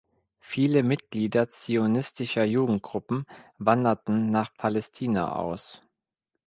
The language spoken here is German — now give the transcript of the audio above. Viele Mitglieder zionistischer Jugendgruppen wanderten nach Palästina aus.